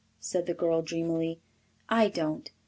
said the girl dreamily. "I don't.